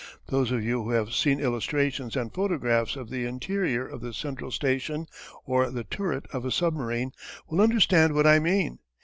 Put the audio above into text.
Those of you who have seen illustrations and photographs of the interior of the "central station" or the "turret" of a submarine, will understand what I mean.